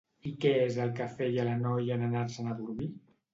I què és el que feia la noia en anar-se'n a dormir?